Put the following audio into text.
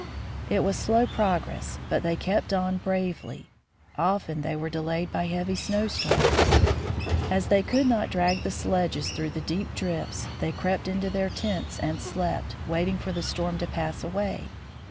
It was slow progress, but they kept on bravely. Often they were delayed by heavy snowstorms. As they could not drag the sledges through the deep drifts, they crept into their tents and slept, waiting for the storm to pass away.